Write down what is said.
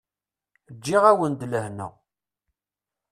Ǧǧiɣ-awen-d lehna.